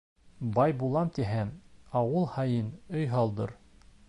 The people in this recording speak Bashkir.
Бай булам тиһәң, ауыл һайын өй һалдыр.